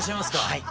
はい。